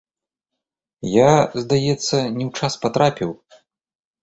Я, здаецца, не ў час патрапіў.